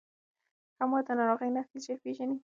ښه مور د ناروغۍ نښې ژر پیژني.